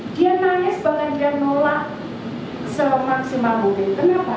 dia nangis bahkan dia nolak semaksimal mungkin